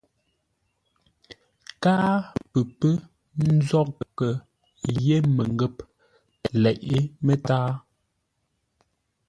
Káa pə pə́ nzóghʼə́ yé mənghə̂p leʼé mətǎa.